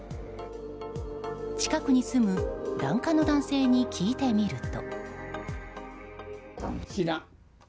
近くに住む檀家の男性に聞いてみると。